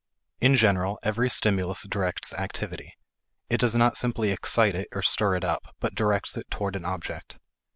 In general, every stimulus directs activity. It does not simply excite it or stir it up, but directs it toward an object.